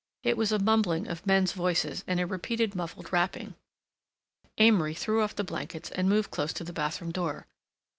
It was a mumbling of men's voices and a repeated muffled rapping. Amory threw off the blankets and moved close to the bathroom door.